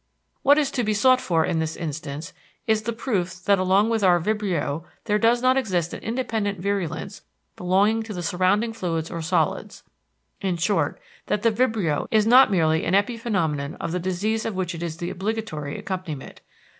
What is to be sought for in this instance is the proof that along with our vibrio there does not exist an independent virulence belonging to the surrounding fluids or solids, in short that the vibrio is not merely an epiphenomenon of the disease of which it is the obligatory accompaniment.